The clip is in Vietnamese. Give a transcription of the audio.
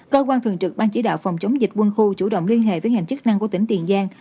cơ quan thường trực ban chỉ đạo phòng chống dịch quân khu chủ động liên hệ với ngành chức năng của tỉnh tiền giang